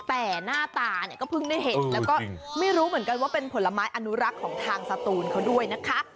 แต่หน้าตาเนี่ยก็เพิ่งได้เห็นแล้วก็ไม่รู้เหมือนกันว่าเป็นผลไม้อนุรักษ์ของทางสตูนเขาด้วยนะคะ